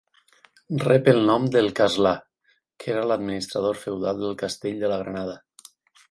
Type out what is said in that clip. Rep el nom del castlà, que era l'administrador feudal del castell de la Granada.